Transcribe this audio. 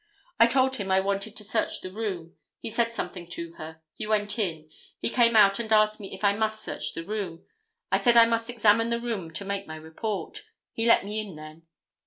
I told him I wanted to search the room. He said something to her. He went in. He came out and asked me if I must search the room. I said I must examine the room to make my report. He let me in then.